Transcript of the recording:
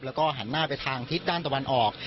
แล้วก็หันหน้าไปทางทิศด้านตะวันออก